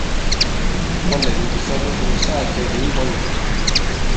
Wɔ lɛ̌n ndī sa lɔ ɓɔ̀ŋ sa kakɛ̌ kì i mbɔ̄k yǎŋ.